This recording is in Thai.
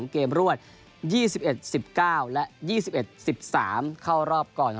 เกมรวด๒๑๑๙และ๒๑๑๓เข้ารอบก่อน